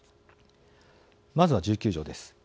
まずは１９条です。